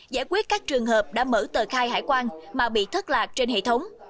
giải quyết các trường hợp đã mở tờ khai hải quan mà bị thất lạc trên hệ thống